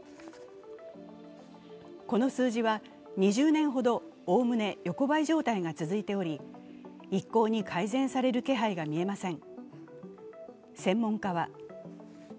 この数字は２０年ほどおおむね横ばい状態が続いており、一向に改善される気配が見えません。